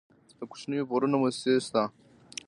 د کوچنیو پورونو موسسې شته؟